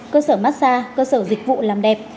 cơ sở massage cơ sở dịch vụ làm đẹp